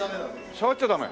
触っちゃダメ？